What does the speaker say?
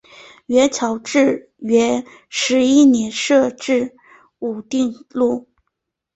元朝至元十一年设置武定路。